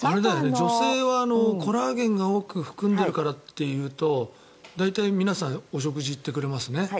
女性はコラーゲンが多く含んでいるからっていうと大体皆さんお食事に行ってくれますね。